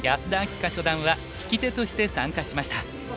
夏初段は聞き手として参加しました。